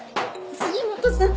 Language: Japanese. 杉本さん